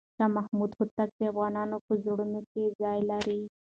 شاه محمود هوتک د افغانانو په زړونو کې ځای لري.